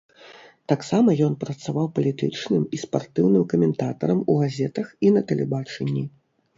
Таксама ён працаваў палітычным і спартыўным каментатарам у газетах і на тэлебачанні.